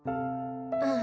うん。